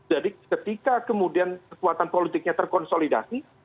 jadi ketika kemudian kekuatan politiknya terkonsolidasi